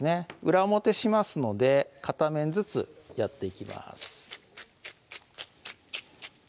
裏表しますので片面ずつやっていきます